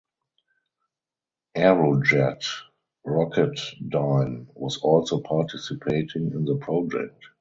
Aerojet Rocketdyne was also participating in the project.